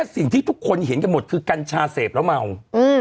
สิ่งที่ทุกคนเห็นกันหมดคือกัญชาเสพแล้วเมา